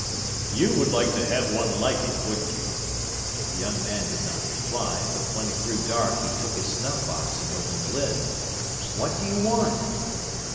'You would like to have one like it, wouldn't you?' The young man did not reply, but when it grew dark he took his snuff box and opened the lid. 'What do you want?